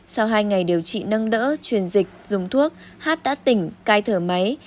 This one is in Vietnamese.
sau hai ngày điều trị nâng đỡ truyền dịch dùng thuốc hát đã tỉnh cai thở máy